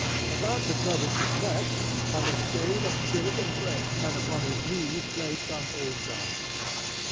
About Petrovich's neck hung a skein of silk and thread, and upon his knees lay some old garment.